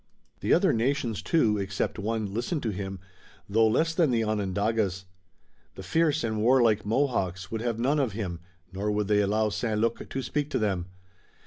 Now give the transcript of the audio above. The other nations too, except one, listened to him, though less than the Onondagas. The fierce and warlike Mohawks would have none of him, nor would they allow St. Luc to speak to them.